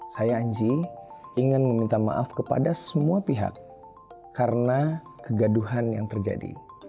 saya anji ingin meminta maaf kepada semua pihak karena kegaduhan yang terjadi